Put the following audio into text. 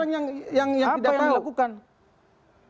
banyak sekarang yang tidak tahu